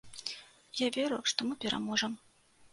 Я веру, што мы пераможам.